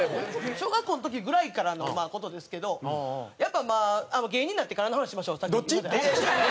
小学校の時ぐらいからの事ですけどやっぱ芸人になってからの話しましょう。